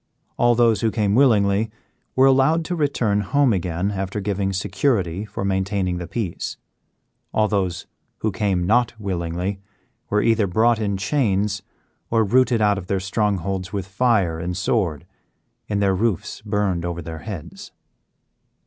All those who came willingly were allowed to return home again after giving security for maintaining the peace; all those who came not willingly were either brought in chains or rooted out of their strongholds with fire and sword, and their roofs burned over their heads.